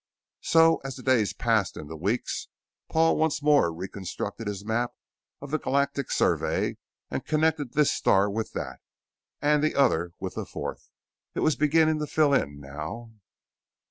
So as the days passed into weeks, Paul once more reconstructed his map of the Galactic Survey and connected this star with that, and the other with the fourth. It was beginning to fill in, now.